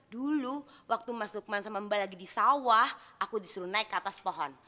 dulu waktu mas lukman sama mbak lagi di sawah aku disuruh naik ke atas pohon